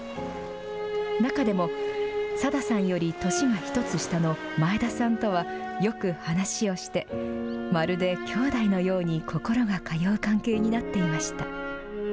中でもサダさんより年が１つ下の前田さんとは、よく話をして、まるできょうだいのように心が通う関係になっていました。